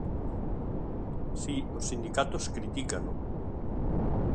Si, os sindicatos critícano.